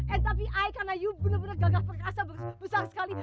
and tapi i karena you bener bener gagah perkasaan besar sekali